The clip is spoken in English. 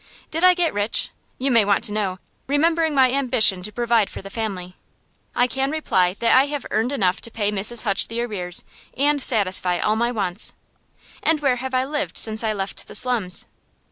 Did I get rich? you may want to know, remembering my ambition to provide for the family. I can reply that I have earned enough to pay Mrs. Hutch the arrears, and satisfy all my wants. And where have I lived since I left the slums?